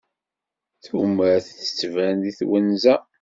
Tumert tettban deg twenza.